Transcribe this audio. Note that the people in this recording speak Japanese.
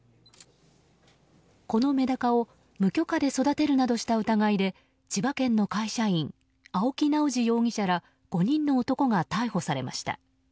このメダカを無許可で育てるなどした疑いで千葉県の会社員青木直樹容疑者ら５人の男が逮捕されました。